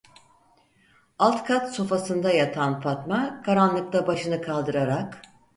Alt kat sofasında yatan Fatma karanlıkta başını kaldırarak: